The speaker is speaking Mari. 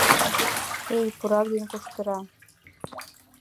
«Эй, пурак ден куштыра!